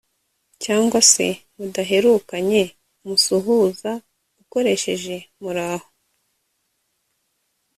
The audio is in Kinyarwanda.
cyangwa se mudaherukanye umusuhuza ukoresheje ― Muraho